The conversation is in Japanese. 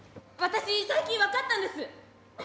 私、最近分かったんです。